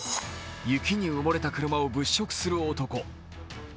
雪に埋もれた車を物色する男。